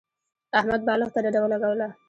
احمد بالښت ته ډډه ولګوله.